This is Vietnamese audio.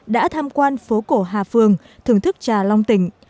đã tham quan phố cổ hà phương thưởng thức trà long tỉnh